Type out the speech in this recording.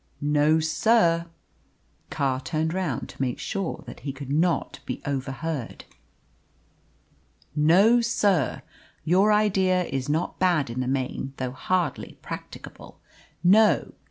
"No, sir." Carr turned round to make sure that he could not be overheard. "No, sir. Your idea is not bad in the main, though hardly practicable. No.